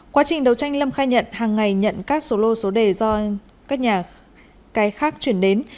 quá trình đấu tranh lâm khai nhận hàng ngày nhận các số lô số đề do các nhà cái khác chuyển đến